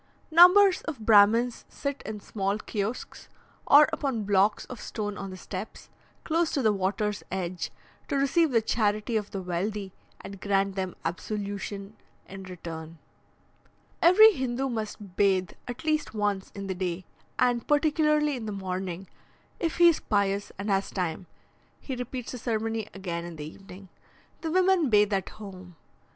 Numbers of Brahmins sit in small kiosks, or upon blocks of stone on the steps, close to the water's edge, to receive the charity of the wealthy, and grant them absolution in return. Every Hindoo must bathe at least once in the day, and particularly in the morning; if he is pious and has time, he repeats the ceremony again in the evening. The women bathe at home.